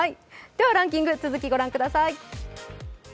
ランキング、続きご覧ください。